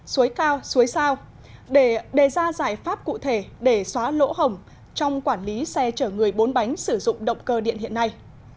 suối cao suối sao để đề ra giải pháp cụ thể để xóa lỗ hồng trong quản lý xe chở người bốn bánh sử dụng động cơ điện hiện nay